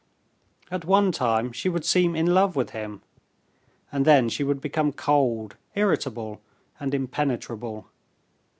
At one time she would seem in love with him, and then she would become cold, irritable, and impenetrable.